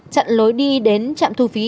chặn lối đi đến trạm thu phí